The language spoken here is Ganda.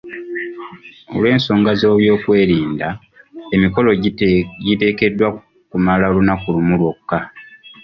Olw'ensonga z'ebyokwerinda, emikolo giteekeddwa okumala olunaku lumu lwokka.